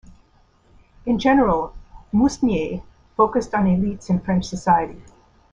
In general, Mousnier focused on elites in French society.